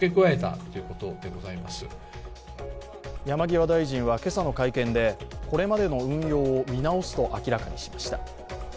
山際大臣は今朝の会見で、これまでの運用を見直すと明らかにしました。